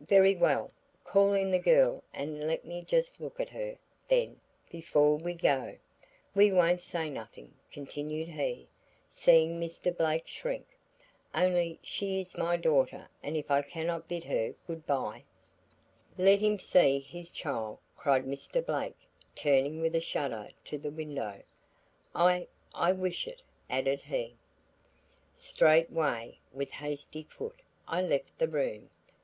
"Very well; call in the girl and let me just look at her, then, before we go. We won't say nothing," continued he, seeing Mr. Blake shrink, "only she is my daughter and if I cannot bid her good bye " "Let him see his child," cried Mr. Blake turning with a shudder to the window. "I I wish it," added he. Straightway with hasty foot I left the room.